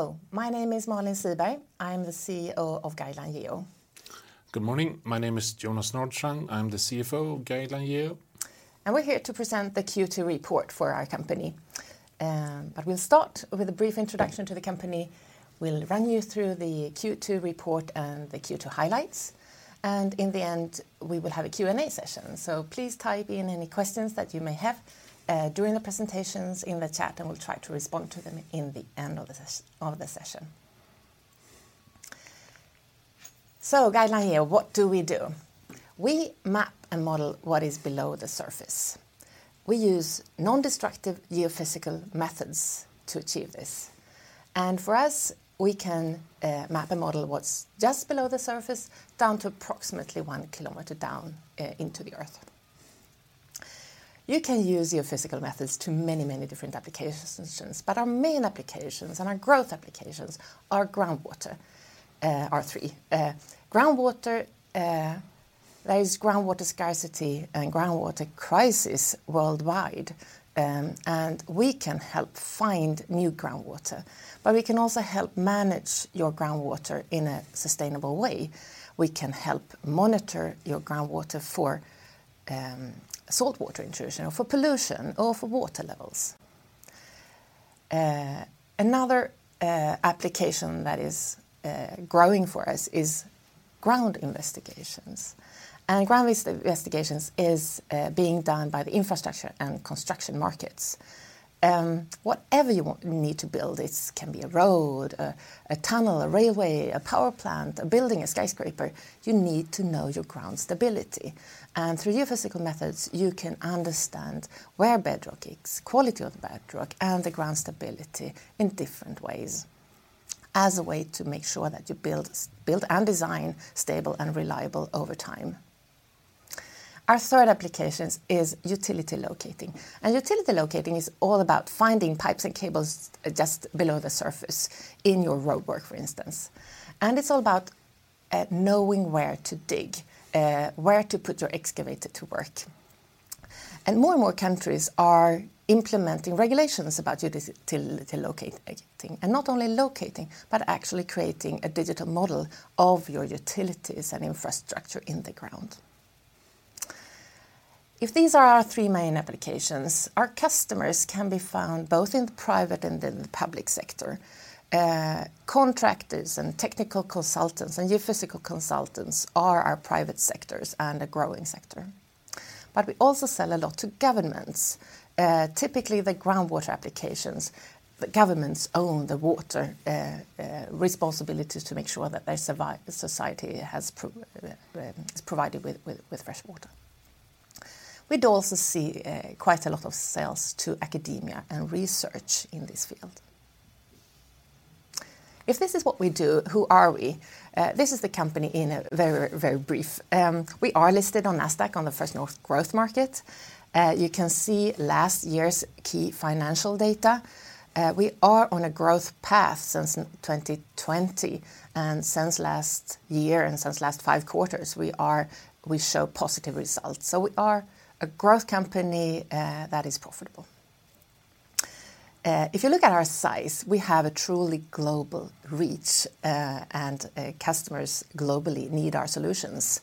Hello, my name is Malin Siberg. I'm the CEO of Guideline Geo. Good morning. My name is Jonas Nordstrand. I'm the CFO of Guideline Geo. We're here to present the Q2 report for our company. We'll start with a brief introduction to the company. We'll run you through the Q2 report and the Q2 highlights. In the end, we will have a Q&A session. Please type in any questions that you may have during the presentations in the chat, and we'll try to respond to them in the end of the session. Guideline Geo, what do we do? We map and model what is below the surface. We use non-destructive geophysical methods to achieve this. For us, we can map and model what's just below the surface, down to approximately one kilometer down into the earth. You can use geophysical methods to many, many different applications. Our main applications and our growth applications are groundwater. Are three. Groundwater, there is groundwater scarcity and groundwater crisis worldwide, and we can help find new groundwater, but we can also help manage your groundwater in a sustainable way. We can help monitor your groundwater for saltwater intrusion, or for pollution, or for water levels. Another application that is growing for us is ground investigations. Ground investigations is being done by the infrastructure and construction markets. Whatever you want, you need to build, it's can be a road, a, a tunnel, a railway, a power plant, a building, a skyscraper, you need to know your ground stability, and through geophysical methods, you can understand where bedrock is, quality of the bedrock, and the ground stability in different ways, as a way to make sure that you build, build and design stable and reliable over time. Our third applications is utility locating, and utility locating is all about finding pipes and cables just below the surface in your roadwork, for instance. It's all about knowing where to dig, where to put your excavator to work. More and more countries are implementing regulations about utility locating. Not only locating, but actually creating a digital model of your utilities and infrastructure in the ground. If these are our three main applications, our customers can be found both in the private and in the public sector. Contractors and technical consultants and geophysical consultants are our private sectors and a growing sector. We also sell a lot to governments, typically the groundwater applications. The governments own the water, responsibility to make sure that they survive, the society has is provided with, with, with fresh water. We do also see quite a lot of sales to academia and research in this field. If this is what we do, who are we? This is the company in a very, very brief. We are listed on Nasdaq, on the First North Growth Market. You can see last year's key financial data. We are on a growth path since 2020, and since last year and since last five quarters, we show positive results. We are a growth company that is profitable. If you look at our size, we have a truly global reach, and customers globally need our solutions.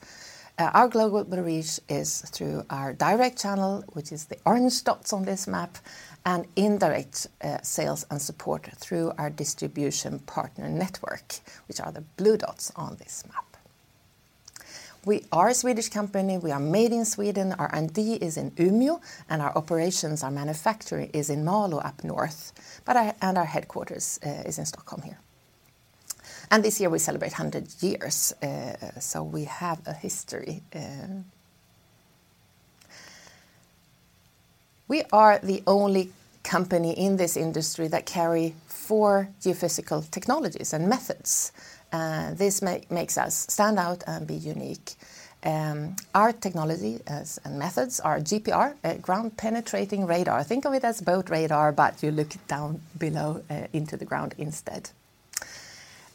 Our global reach is through our direct channel, which is the orange dots on this map, and indirect sales and support through our distribution partner network, which are the blue dots on this map. We are a Swedish company. We are made in Sweden. Our R&D is in Umeå, our operations, our manufacturing is in Malå, up north, our headquarters is in Stockholm here. This year we celebrate 100 years, so we have a history. We are the only company in this industry that carry four geophysical technologies and methods. This makes us stand out and be unique. Our technology and methods are GPR, ground penetrating radar. Think of it as boat radar, but you look down below into the ground instead.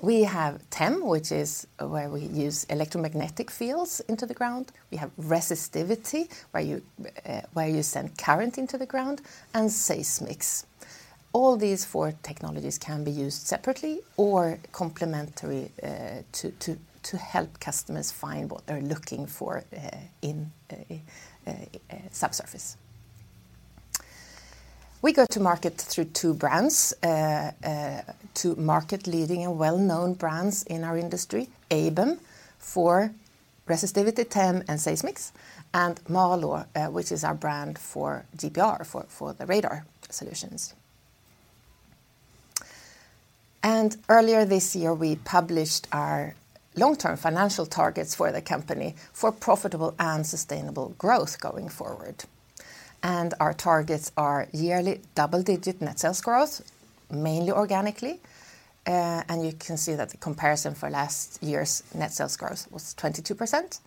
We have TEM, which is where we use electromagnetic fields into the ground. We have resistivity, where you send current into the ground, and seismics. All these four technologies can be used separately or complementary, to help customers find what they're looking for, in a subsurface. We go to market through two brands, two market leading and well-known brands in our industry, ABEM for resistivity, TEM, and sesmics, and MALÅ, which is our brand for GPR, for the radar solutions. Earlier this year, we published our long-term financial targets for the company for profitable and sustainable growth going forward. Our targets are yearly double-digit net sales growth, mainly organically, and you can see that the comparison for last year's net sales growth was 22%.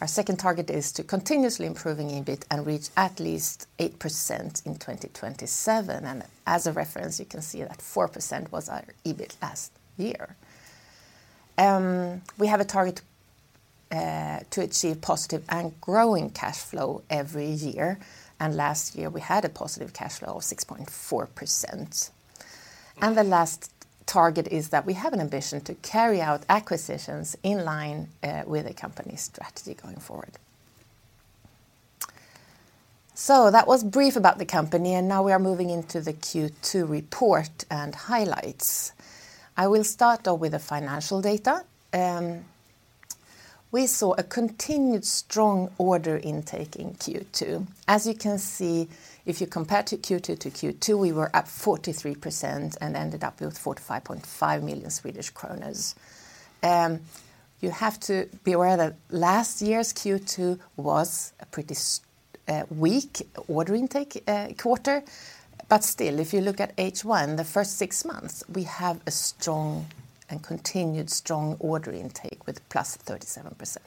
Our second target is to continuously improving EBIT and reach at least 8% in 2027. As a reference, you can see that 4% was our EBIT last year. We have a target to achieve positive and growing cash flow every year, and last year we had a positive cash flow of 6.4%. The last target is that we have an ambition to carry out acquisitions in line with the company's strategy going forward. That was brief about the company, and now we are moving into the Q2 report and highlights. I will start off with the financial data. We saw a continued strong order intake in Q2. As you can see, if you compare to Q2 to Q2, we were up 43% and ended up with 45.5 million Swedish kronor. You have to be aware that last year's Q2 was a pretty weak order intake quarter. Still, if you look at H1, the first 6 months, we have a strong and continued strong order intake with +37%.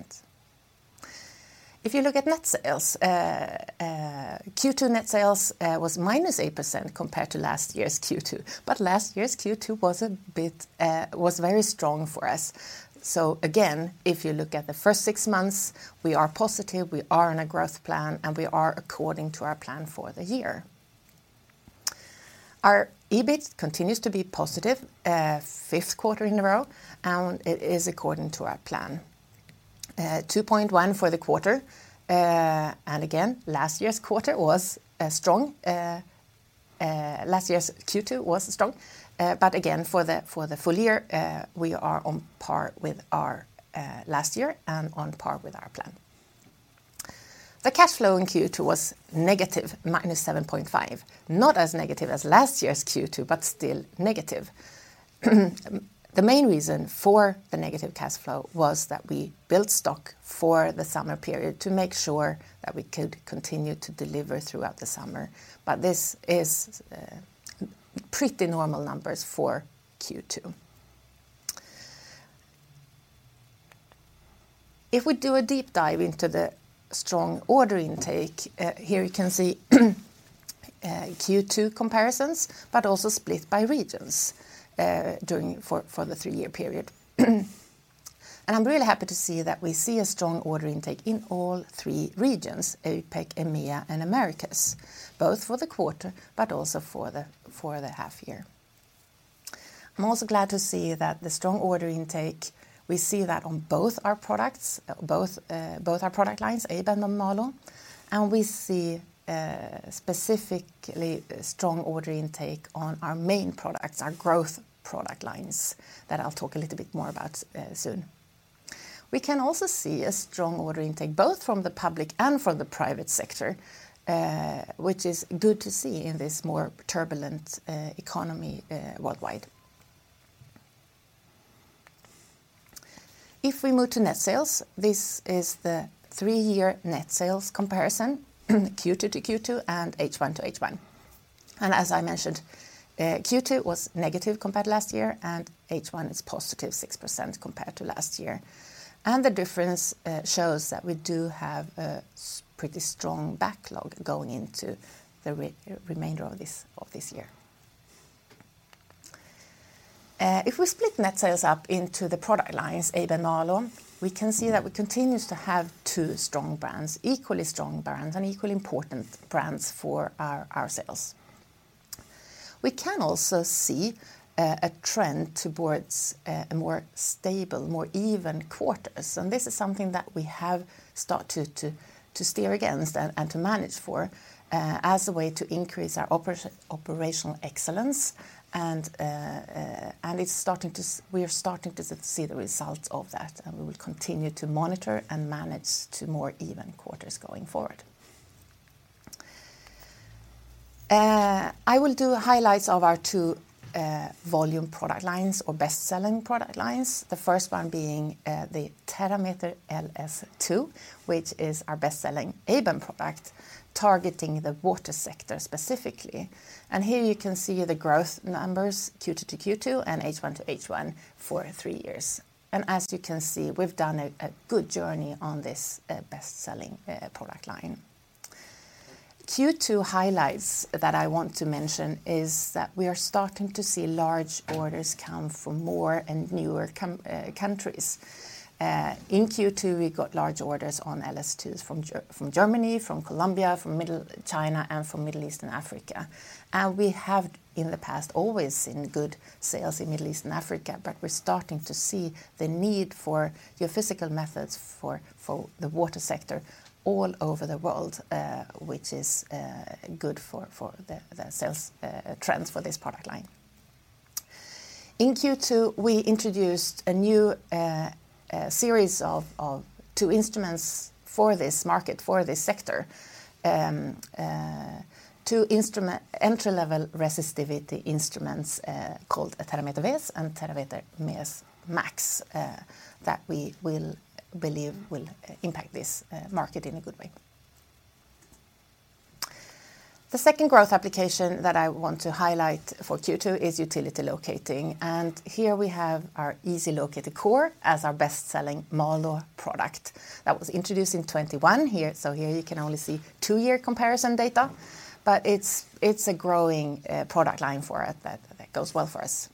If you look at net sales, Q2 net sales was -8% compared to last year's Q2, but last year's Q2 was a bit was very strong for us. Again, if you look at the first 6 months, we are positive, we are on a growth plan, and we are according to our plan for the year. Our EBIT continues to be positive, 5th quarter in a row, and it is according to our plan. 2.1 for the quarter. Again, last year's quarter was strong. Last year's Q2 was strong. Again, for the, for the full year, we are on par with our last year and on par with our plan. The cash flow in Q2 was negative, -7.5. Not as negative as last year's Q2, but still negative. The main reason for the negative cash flow was that we built stock for the summer period to make sure that we could continue to deliver throughout the summer, but this is pretty normal numbers for Q2. If we do a deep dive into the strong order intake, here you can see Q2 comparisons, but also split by regions during for the 3-year period. I'm really happy to see that we see a strong order intake in all three regions, APAC, EMEA, and Americas, both for the quarter but also for the half year. I'm also glad to see that the strong order intake, we see that on both our products, both, both our product lines, ABEM and MALÅ, and we see specifically strong order intake on our main products, our growth product lines, that I'll talk a little bit more about soon. We can also see a strong order intake, both from the public and from the private sector, which is good to see in this more turbulent economy worldwide. If we move to net sales, this is the 3-year net sales comparison, Q2-Q2 and H1-H1. As I mentioned, Q2 was negative compared to last year, and H1 is positive 6% compared to last year. The difference shows that we do have a pretty strong backlog going into the remainder of this, of this year. If we split net sales up into the product lines, ABEM and MALÅ, we can see that we continues to have two strong brands, equally strong brands, and equally important brands for our, our sales. We can also see a trend towards a more stable, more even quarters. This is something that we have started to, to steer against and, and to manage for as a way to increase our operational excellence. It's starting to we are starting to see the results of that, and we will continue to monitor and manage to more even quarters going forward. I will do highlights of our two volume product lines or best-selling product lines. The first one being the Terrameter LS2, which is our best-selling ABEM product, targeting the water sector specifically. Here you can see the growth numbers, Q2 to Q2 and H1 to H1 for 3 years. As you can see, we've done a good journey on this best-selling product line. Q2 highlights that I want to mention is that we are starting to see large orders come from more and newer countries. In Q2, we got large orders on LS2s from Germany, from Colombia, from China, and from Middle East and Africa. We have, in the past, always seen good sales in Middle East and Africa, but we're starting to see the need for geophysical methods for the water sector all over the world, which is good for the sales trends for this product line. In Q2, we introduced a new, a series of, of two instruments for this market, for this sector. two entry-level resistivity instruments, called Terrameter VES and Terrameter VES Max, that we believe will impact this market in a good way. The second growth application that I want to highlight for Q2 is utility locating. Here we have our Easy Locator Core as our best-selling MALÅ product. That was introduced in 2021 here, so here you can only see two-year comparison data, but it's a growing product line for us that goes well for us.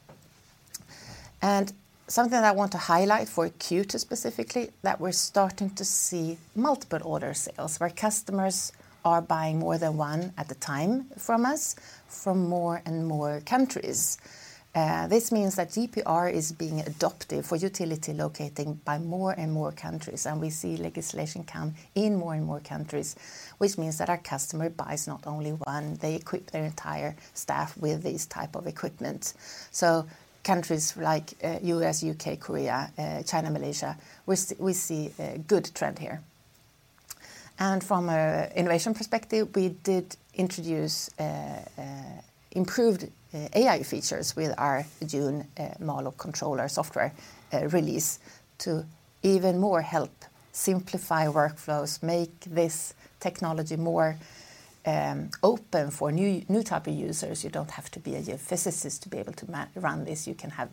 Something that I want to highlight for Q2 specifically, that we're starting to see multiple order sales, where customers are buying more than one at a time from us, from more and more countries. This means that GPR is being adopted for utility locating by more and more countries, we see legislation come in more and more countries, which means that our customer buys not only one, they equip their entire staff with these type of equipment. Countries like US, U.K., Korea, China, Malaysia, we see a good trend here. From a innovation perspective, we did introduce improved AI features with our June MALA controller software release to even more help simplify workflows, make this technology more open for new, new type of users. You don't have to be a geophysicist to be able to run this. You can have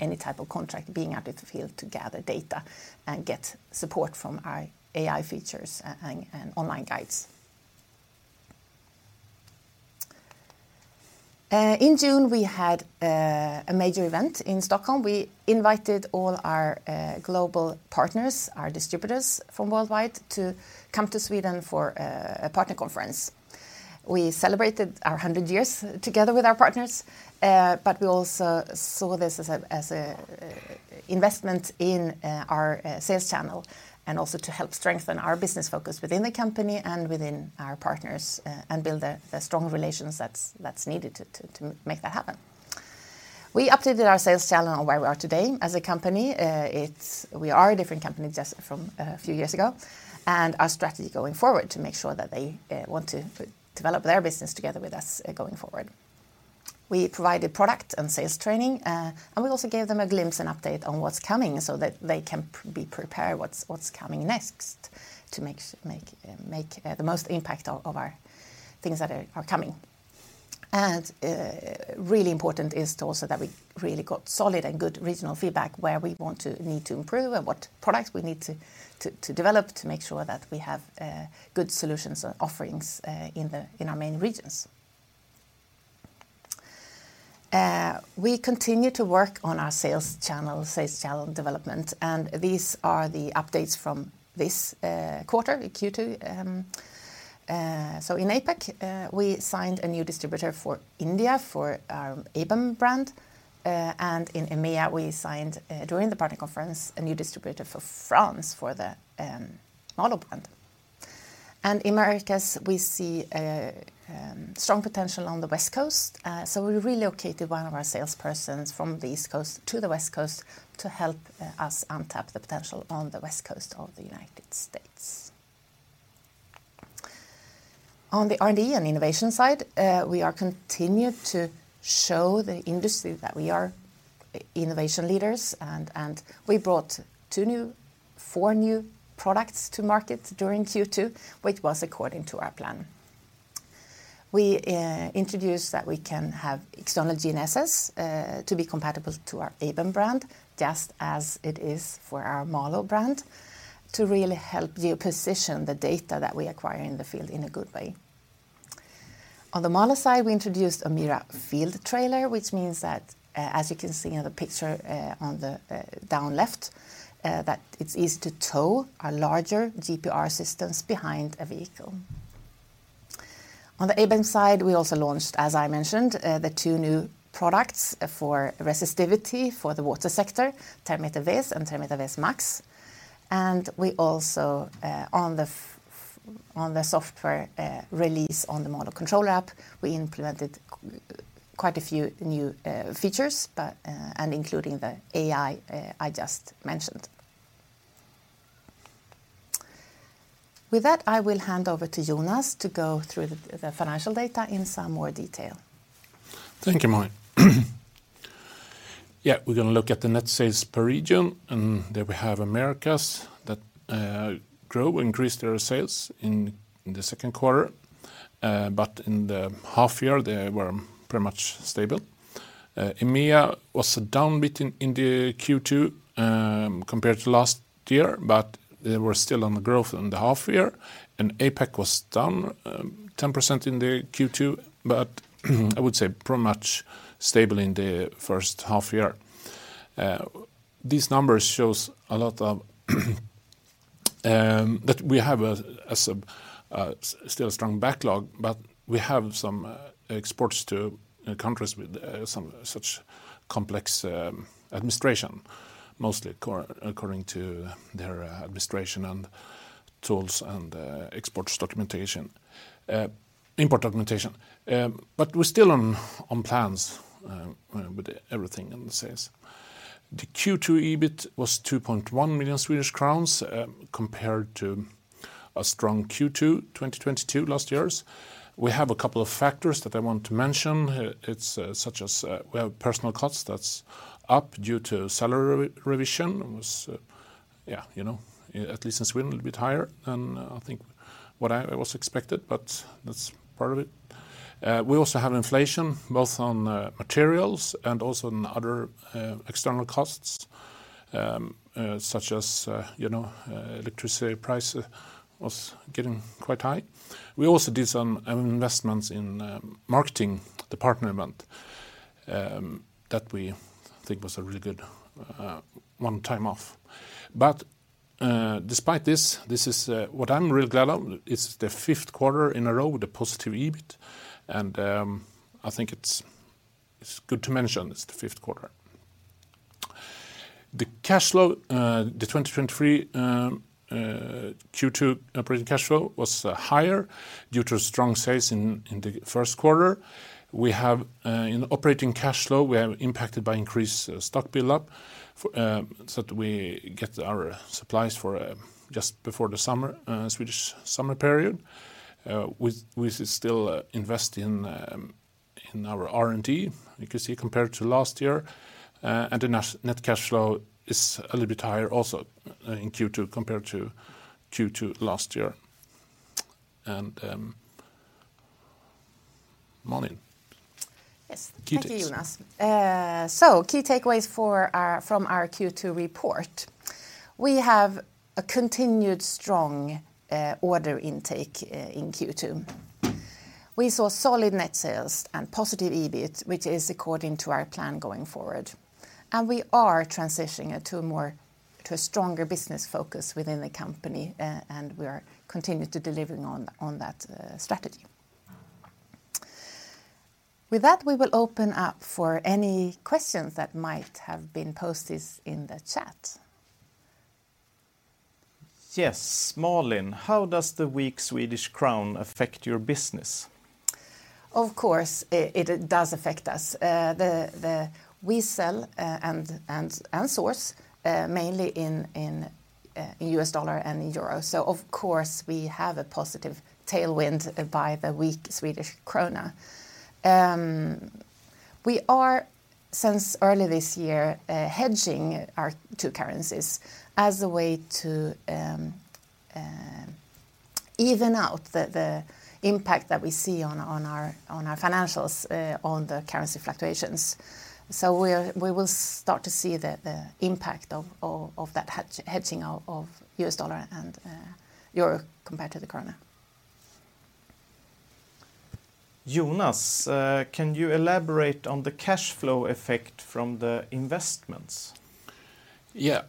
any type of contract being out in the field to gather data and get support from our AI features and online guides. In June, we had a major event in Stockholm. We invited all our global partners, our distributors from worldwide, to come to Sweden for a partner conference. We celebrated our 100 years together with our partners, but we also saw this as a investment in our sales channel, and also to help strengthen our business focus within the company and within our partners, and build the strong relations that's, that's needed to make that happen. We updated our sales channel on where we are today as a company. It's, We are a different company just from a few years ago, and our strategy going forward to make sure that they want to develop their business together with us, going forward. We provided product and sales training, and we also gave them a glimpse and update on what's coming so that they can be prepared what's, what's coming next to make make the most impact of our things that are, are coming. Really important is to also that we really got solid and good regional feedback where we want to need to improve and what products we need to develop to make sure that we have good solutions and offerings in our main regions. We continue to work on our sales channel, sales channel development, and these are the updates from this quarter, in Q2. In APAC, we signed a new distributor for India, for our ABEM brand. In EMEA, we signed, during the partner conference, a new distributor for France, for the MALÅ brand. Americas, we see a strong potential on the West Coast, so we relocated one of our salespersons from the East Coast to the West Coast to help us untap the potential on the West Coast of the United States. On the R&D and innovation side, we are continued to show the industry that we are innovation leaders, and we brought 4 new products to market during Q2, which was according to our plan. We introduced that we can have external GNSS to be compatible to our ABEM brand, just as it is for our MALÅ brand, to really help you position the data that we acquire in the field in a good way. On the MALÅ side, we introduced a MIRA field trailer, which means that, as you can see in the picture, on the down left, that it's easy to tow our larger GPR systems behind a vehicle. On the ABEM side, we also launched, as I mentioned, the two new products, for resistivity for the water sector, ABEM Terrameter VES and ABEM Terrameter VES MAX. We also, on the on the software release, on the MALÅ Controller App, we implemented quite a few new features, but, and including the AI, I just mentioned. With that, I will hand over to Jonas to go through the, the financial data in some more detail. Thank you, Malin. We're going to look at the net sales per region, and there we have Americas that grew, increased their sales in, in the second quarter. In the half year, they were pretty much stable. EMEA was down a bit in, in the Q2 compared to last year, but they were still on the growth in the half year. APAC was down 10% in the Q2, but I would say pretty much stable in the first half year. These numbers shows a lot of that we have a still a strong backlog, but we have some exports to countries with some such complex administration, mostly according to their administration and tools and exports documentation, import documentation. We're still on, on plans with everything in the sales. The Q2 EBIT was 2.1 million Swedish crowns compared to a strong Q2, 2022, last year's. We have a couple of factors that I want to mention. It's such as we have personal costs that's up due to salary revision. It was, yeah, you know, at least in Sweden, a little bit higher than I think what I was expected, but that's part of it. We also have inflation, both on materials and also on other external costs. Such as, you know, electricity price was getting quite high. We also did some investments in marketing, the partner event, that we think was a really good one-time off. Despite this, this is what I'm really glad of, it's the fifth quarter in a row with a positive EBIT, and I think it's, it's good to mention it's the fifth quarter. The cash flow, the 2023 Q2 operating cash flow was higher due to strong sales in, in the first quarter. We have, in operating cash flow, we are impacted by increased stock buildup for, so that we get our supplies for just before the summer, Swedish summer period. We, we still invest in in our R&D, you can see compared to last year. The net cash flow is a little bit higher also in Q2 compared to Q2 last year. Malin? Yes. Key takes. Thank you, Jonas. Key takeaways From our Q2 report. We have a continued strong order intake in Q2. We saw solid net sales and positive EBIT, which is according to our plan going forward, we are transitioning it to a stronger business focus within the company, we are continuing to delivering on that strategy. With that, we will open up for any questions that might have been posted in the chat. Yes, Malin, how does the weak Swedish krona affect your business? Of course, it, it does affect us. We sell, and, and, and source, mainly in, in US dollar and in euro, so of course, we have a positive tailwind by the weak Swedish krona. We are, since early this year, hedging our two currencies as a way to even out the impact that we see on, on our, on our financials, on the currency fluctuations. We will start to see the impact of, of, of that hedging of, of US dollar and euro compared to the krona. Jonas, can you elaborate on the cash flow effect from the investments? Yeah.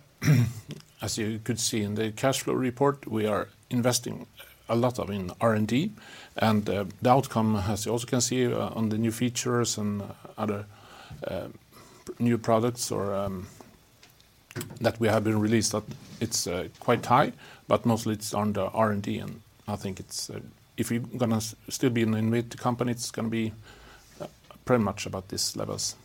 As you could see in the cash flow report, we are investing a lot of in R&D, and the outcome, as you also can see, on the new features and other new products or that we have been released, that it's quite high, but mostly it's on the R&D, and I think it's if you're gonna still be an innovative company, it's gonna be pretty much about these levels.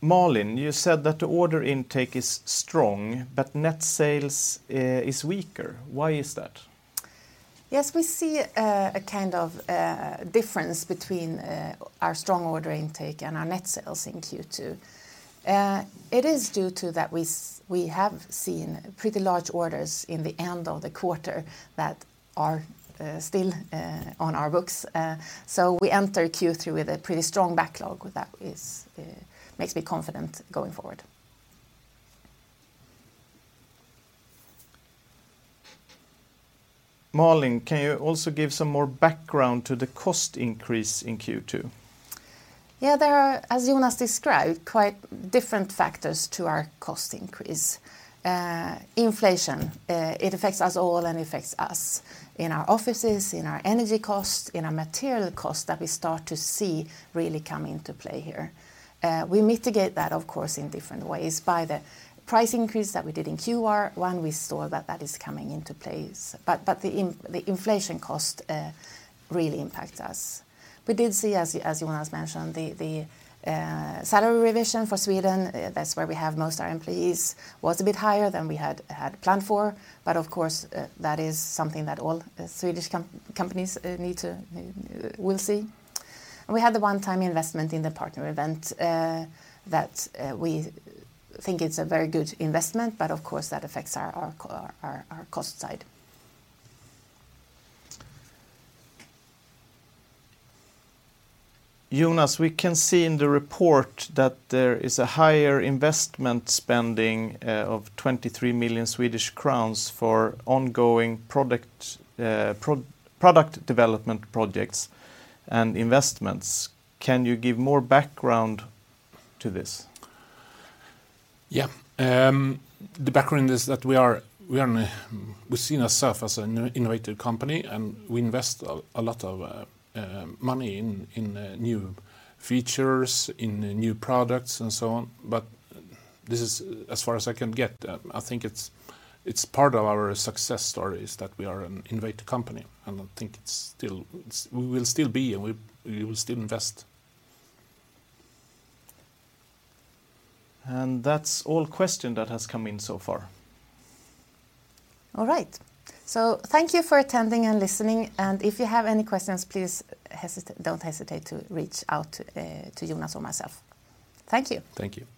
Malin, you said that the order intake is strong, but net sales is weaker. Why is that? Yes, we see a kind of difference between our strong order intake and our net sales in Q2. It is due to that we have seen pretty large orders in the end of the quarter that are still on our books. We enter Q3 with a pretty strong backlog, that is, makes me confident going forward. Malin, can you also give some more background to the cost increase in Q2? Yeah, there are, as Jonas described, quite different factors to our cost increase. Inflation, it affects us all, and it affects us in our offices, in our energy costs, in our material costs that we start to see really come into play here. We mitigate that, of course, in different ways. By the price increase that we did in Q1, we saw that that is coming into place, but, but the inflation cost really impacts us. We did see, as, as Jonas mentioned, the, the salary revision for Sweden, that's where we have most our employees, was a bit higher than we had, had planned for, but of course, that is something that all Swedish companies need to will see. We had the one-time investment in the partner event, that, we think it's a very good investment, but of course, that affects our cost side. Jonas, we can see in the report that there is a higher investment spending of 23 million Swedish crowns for ongoing product development projects and investments. Can you give more background to this? Yeah. The background is that we are an, we see ourself as an innovative company, and we invest a lot of money in new features, in new products, and so on. This is as far as I can get. I think it's part of our success story, is that we are an innovative company, and I think it's still, it's. We will still be, and we will still invest. That's all question that has come in so far. All right. Thank you for attending and listening, and if you have any questions, Don't hesitate to reach out to Jonas or myself. Thank you. Thank you.